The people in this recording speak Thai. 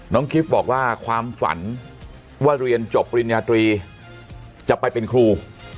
คิฟต์บอกว่าความฝันว่าเรียนจบปริญญาตรีจะไปเป็นครู